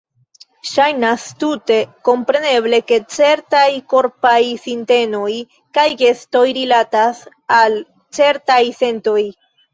Ŝajnas tute kompreneble, ke certaj korpaj sintenoj kaj gestoj "rilatas" al certaj sentoj.